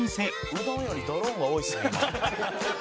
「うどんよりドローンが多いですね今」